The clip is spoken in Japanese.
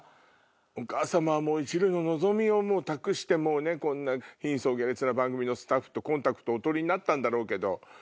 お母様は一縷の望みを託してこんな貧相下劣な番組のスタッフとコンタクトをお取りになったんだろうけど。